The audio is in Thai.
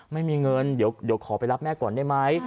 ไม่มีเงินเดี๋ยวขอไปรับแม่ก่อนได้ไหม